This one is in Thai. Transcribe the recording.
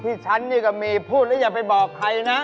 ที่ฉันนี่ก็มีพูดแล้วอย่าไปบอกใครนะ